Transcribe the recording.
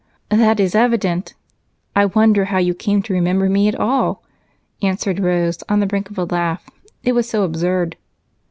"That is evident. I wonder how you came to remember me at all," answered Rose, on the brink of a laugh it was so absurd.